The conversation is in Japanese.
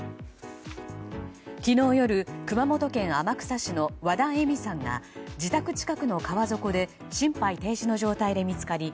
昨日夜、熊本県天草市の和田恵海さんが自宅近くの川底で心肺停止の状態で見つかり